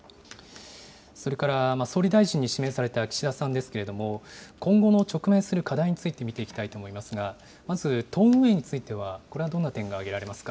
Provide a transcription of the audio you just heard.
それから総理大臣に指名された岸田さんですけれども、今後の直面する課題について見ていきたいと思いますが、まず党運営については、これはどんな点が挙げられますか。